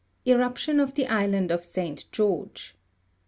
Eruption of the island of Saint George.